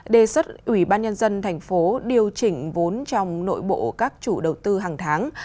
đề xuất ubnd tp hcm điều chỉnh vốn trong nội bộ các chủ đầu tư hàng tháng